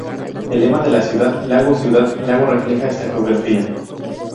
El lema de la ciudad "Lago, ciudad, lago" refleja esta geografía.